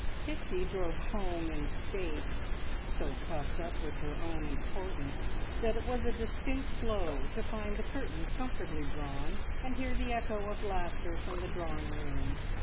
Pixie drove home in state, so puffed up with her own importance that it was a distinct blow to find the curtains comfortably drawn, and hear the echo of laughter from the drawing room.